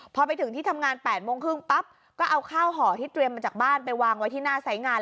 พอไปถึงที่ทำงาน๘โมงครึ่งปั๊บก็เอาข้าวห่อที่เตรียมมาจากบ้านไปวางไว้ที่หน้าสายงาน